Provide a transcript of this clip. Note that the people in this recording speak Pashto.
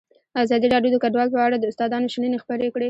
ازادي راډیو د کډوال په اړه د استادانو شننې خپرې کړي.